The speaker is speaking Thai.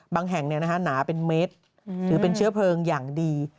บางแห่งหนาเป็นเมตรถือเป็นเชื้อเพลิงอย่างดี